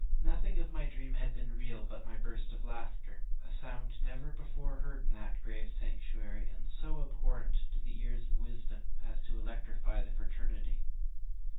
Nothing of the dream had been real but my burst of laughter, a sound never before heard in that grave sanctuary, and so abhorrent to the ears of wisdom, as to electrify the fraternity.